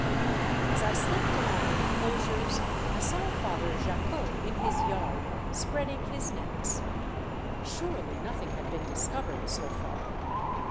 " As I slipped along the enclosures, I saw Father Jacquot in his yard, spreading his nets. Surely nothing had been discovered so far.